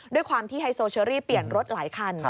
ด้วยความที่ไฮโซเชอรี่เปลี่ยนรถหลายคัน